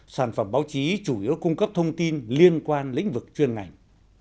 sản phẩm báo chí chủ yếu cung cấp thông tin liên quan lĩnh vực chuyên ngành